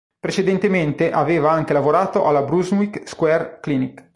Precedentemente aveva anche lavorato alla Brunswick Square Clinic.